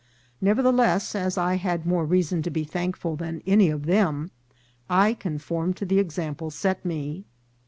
Nevertheless, as I had more rea son to be thankful than any of them, I conformed to the example set me.